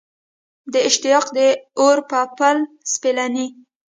د اشتیاق د اور په پل سپېلني